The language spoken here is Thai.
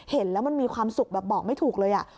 เห็นแล้วมันมีความสุขแบบบอกไม่ถูกเลย